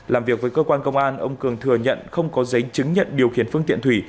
làm việc với cơ quan công an ông cường thừa nhận không có giấy chứng nhận điều khiển phương tiện thủy